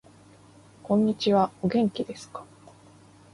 こんにちは。お元気ですか。